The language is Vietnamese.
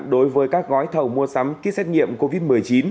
đối với các gói thầu mua sắm kit xét nghiệm covid một mươi chín